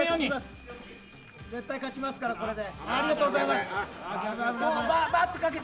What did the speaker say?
絶対に勝ちますからこれで。